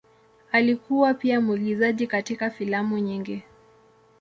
Alikuwa pia mwigizaji katika filamu nyingi.